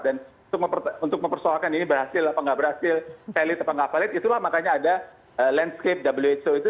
dan untuk mempersoalkan ini berhasil atau tidak berhasil valid atau tidak valid itulah makanya ada landscape who itu